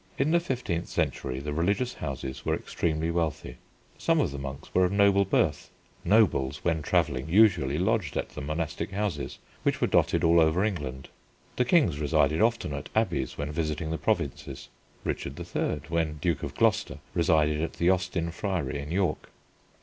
In the fifteenth century the religious houses were extremely wealthy. Some of the monks were of noble birth. Nobles, when travelling, usually lodged at the monastic houses, which were dotted all over England. The kings resided often at abbeys when visiting the provinces. Richard III., when Duke of Gloucester, resided at the Austin Friary in York.